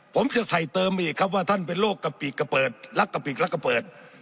ผมจะใส่เติมอีกครับว่าท่านเป็นโรคกะปิกกระเปิดรักกะปิกรักกะเปิด